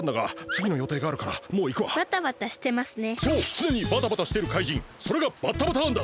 つねにバタバタしてるかいじんそれがバッタバターンだ！